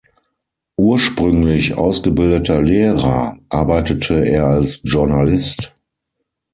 Ursprünglich ausgebildeter Lehrer, arbeitete er als Journalist.